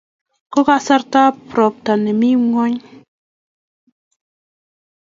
Ko kasartab ropta nemi ngweny